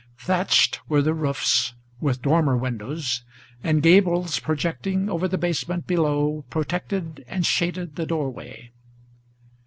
Thatched were the roofs, with dormer windows; and gables projecting Over the basement below protected and shaded the door way.